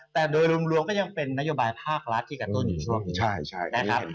แต่โดยรวมก็ยังเป็นนโยบายภาครัฐที่กระตุ้นอยู่ช่วงนี้นะครับ